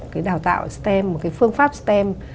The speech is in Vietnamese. cái đào tạo stem một cái phương pháp stem